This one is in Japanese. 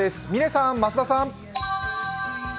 嶺さん、増田さん。